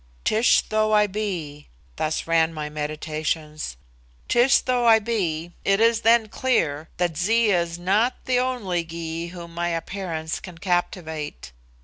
"Tish though I be," thus ran my meditations "Tish though I be, it is then clear that Zee is not the only Gy whom my appearance can captivate.